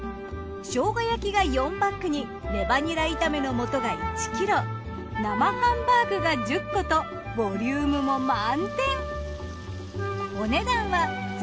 生姜焼きが４パックにレバニラ炒めの素が１ｋｇ生ハンバーグが１０個とボリュームも満点！